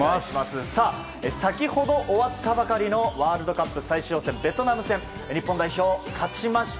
先ほど終わったばかりのワールドカップ最終予選ベトナム戦、日本代表勝ちました。